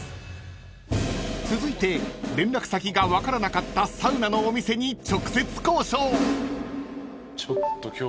［続いて連絡先が分からなかったサウナのお店に直接交渉］